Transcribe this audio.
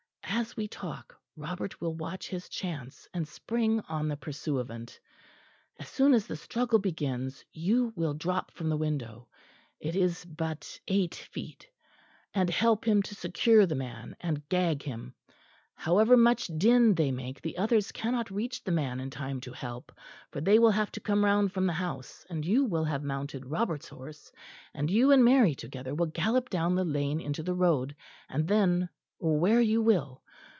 As we talk, Robert will watch his chance and spring on the pursuivant. As soon as the struggle begins you will drop from the window; it is but eight feet; and help him to secure the man and gag him. However much din they make the others cannot reach the man in time to help, for they will have to come round from the house, and you will have mounted Robert's horse; and you and Mary together will gallop down the lane into the road, and then where you will.